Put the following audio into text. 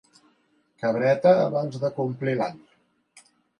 Cabreta abans de complir l'any.